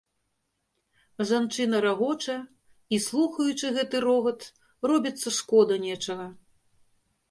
Жанчына рагоча, і, слухаючы гэты рогат, робіцца шкода нечага.